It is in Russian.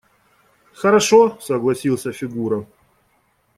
– Хорошо, – согласился Фигура.